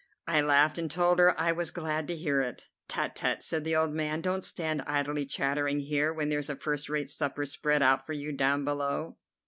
I laughed and told her I was glad to hear it. "Tut, tut!" said the old man. "Don't stand idly chattering here when there's a first rate supper spread out for you down below.